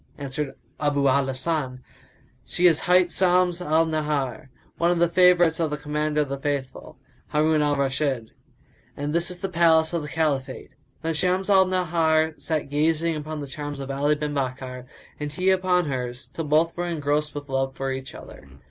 Answered Abu al Hasan, "She is hight Shams al Nahar, one of the favourites of the Commander of the Faithful, Harun al Rashid, and this is the palace of the Caliphate." Then Shams al Nahar sat gazing upon the charms of Ali bin Bakkar and he upon hers, till both were engrossed with love for each other.